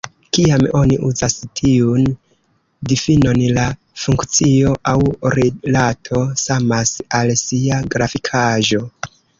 Kiam oni uzas tiun difinon, la funkcio aŭ rilato samas al sia grafikaĵo.